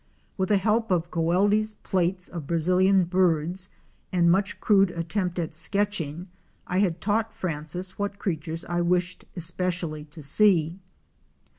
With the help of Goeldi's plates of Brazilian birds and much crude attempt at sketching I had taught Francis what creatures I wished especially to see.